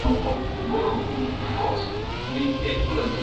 Ahıska Turkler Kufukuzwa kwa kiwango kikubwa kwa kwanza